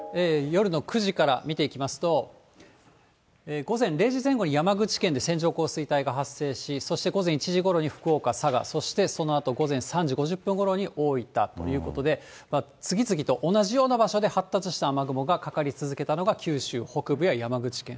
夜の９時から見ていきますと、午前０時前後に山口県で線状降水帯が発生し、そして午前１時ごろに福岡、佐賀、そしてそのあと午前３時５０分ごろに大分ということで、次々と同じような場所で発達した雨雲がかかり続けたのが、九州北部や山口県。